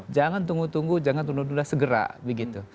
jangan tunggu tunggu jangan tunduk tunduk sudah segera begitu